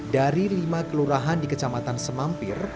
dari lima kelurahan di kecamatan semampir